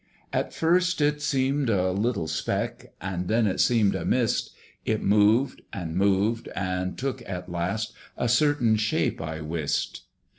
At first it seemed a little speck, And then it seemed a mist: It moved and moved, and took at last A certain shape, I wist.